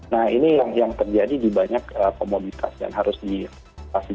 nah ini yang terjadi di banyak komoditas dan harus dipastikan